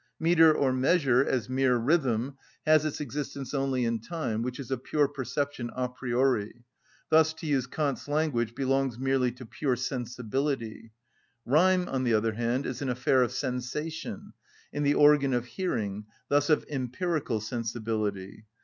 Metre, or measure, as mere rhythm, has its existence only in time, which is a pure perception a priori, thus, to use Kant's language, belongs merely to pure sensibility; rhyme, on the other hand, is an affair of sensation, in the organ of hearing, thus of empirical sensibility.